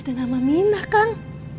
ada nama minah kang